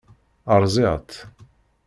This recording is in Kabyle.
Rẓiɣ-tt.